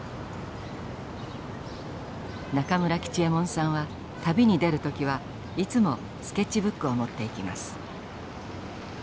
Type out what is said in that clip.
中村吉右衛門さんは旅に出る時はいつもスケッチブックを持っていきます